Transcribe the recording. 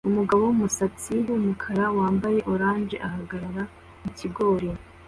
Umugabo wumusatsi wumukara wambaye orange ahagarara mukigori